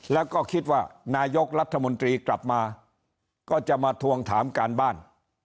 แล้วก็คิดว่านายกรัฐมนตรีกลับมาก็จะมาทวงถามการบ้าน